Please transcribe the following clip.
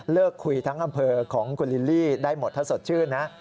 เลิกคุยทั้งกับเพลงของกูลิลลี่ได้หมดถ้าสดชื่นนะ